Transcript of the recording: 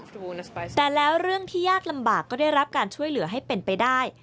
แต่แล้วเรื่องที่ยากลำบากก็ได้รับการช่วยเหลือให้เป็นไปได้